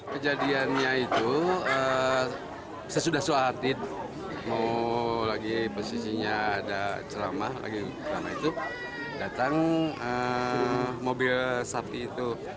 kejadiannya itu sesudah suatid mau lagi posisinya ada ceramah itu datang mobil sapi itu